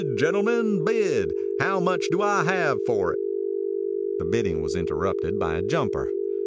gentlemen, bid! How much do I have for it?" The bidding was interrupted by a Jumper.